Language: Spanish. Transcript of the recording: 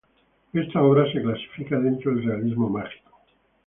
Esta obra se clasifica dentro del realismo mágico.